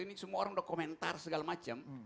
ini semua orang udah komentar segala macam